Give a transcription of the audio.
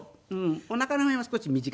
おなから辺は少し短め。